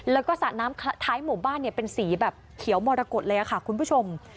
แล้วก็สระน้ำท้ายหมู่บ้านเป็นสีแบบเขียวมรกฏเลยค่ะคุณผู้ชม